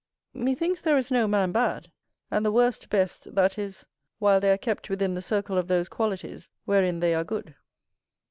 Methinks there is no man bad; and the worst best, that is, while they are kept within the circle of those qualities wherein they are good.